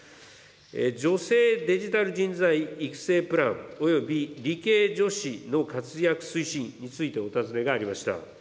女性デジタル人材育成プランおよび理系女子の活躍推進についてお尋ねがありました。